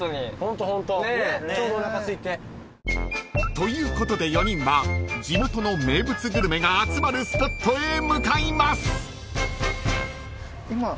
［ということで４人は地元の名物グルメが集まるスポットへ向かいます］